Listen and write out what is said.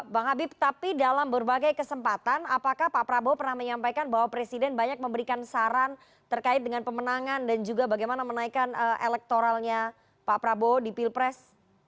bang habib tapi dalam berbagai kesempatan apakah pak prabowo pernah menyampaikan bahwa presiden banyak memberikan saran terkait dengan pemenangan dan juga bagaimana menaikkan elektoralnya pak prabowo di pilpres